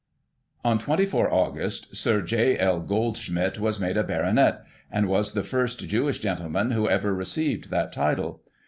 " On 24 August Sir J. L. Goldsmid was made a Baronet, and was the first Jewish gentleman who ever received that title.